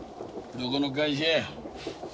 どこの会社や？